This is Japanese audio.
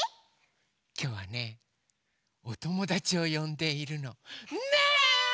きょうはねおともだちをよんでいるの。ねえ！